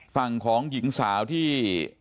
ฝั่งของหญิงสาวที่